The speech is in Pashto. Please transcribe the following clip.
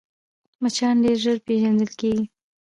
مچان ډېر ژر پېژندل کېږي